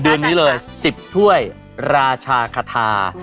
เดือนนี้เลย๑๐ถ้วยราชาคาทา